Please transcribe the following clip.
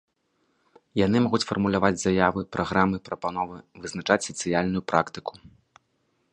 Яны могуць фармуляваць заявы, праграмы, прапановы, вызначаць сацыяльную практыку.